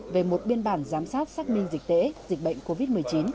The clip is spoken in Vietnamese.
về một biên bản giám sát xác minh dịch tễ dịch bệnh covid một mươi chín